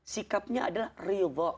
sikapnya adalah rido